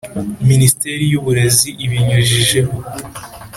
Minisiteri y uburezi ibinyujije